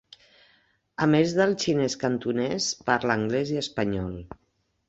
A més del xinès cantonès parla anglès i espanyol.